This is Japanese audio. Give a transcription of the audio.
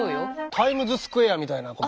タイムズスクエアみたいなこと？